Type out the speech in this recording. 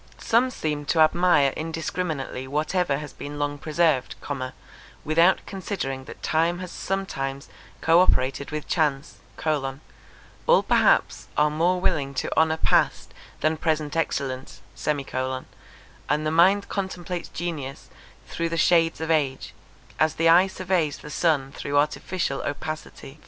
Some seem to admire indiscriminately whatever has been long preserved, without considering that time has sometimes co operated with chance: all perhaps are more willing to honour past than present excellence; and the mind contemplates genius through the shades of age, as the eye surveys the sun through artificial opacity.